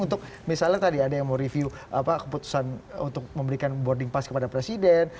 untuk misalnya tadi ada yang mau review keputusan untuk memberikan boarding pass kepada presiden